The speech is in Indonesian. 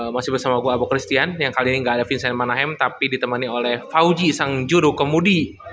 masih bersama gue abu christian yang kali ini gak ada vincent manahem tapi ditemani oleh fauji sang juru kemudi